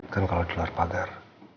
kan kalau di luar pagar